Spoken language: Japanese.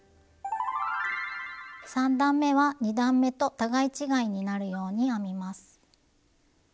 ３段めは２段めと互い違いになるように編みます。